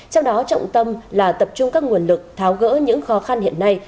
trong đó trọng tâm là tập trung các nguồn lực tháo gỡ những khó khăn hiện nay